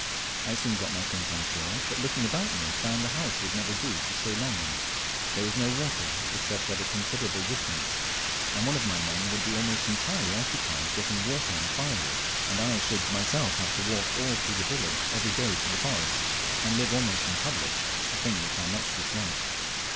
I soon got my things on shore, but on looking about me found that the house would never do to stay long in. There was no water except at a considerable distance, and one of my men would be almost entirely occupied getting water and firewood, and I should myself have to walk all through the village every day to the forest, and live almost in public, a thing I much dislike.